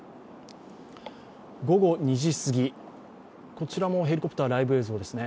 午後２時すぎ、こちらもヘリコプターライブ映像ですね。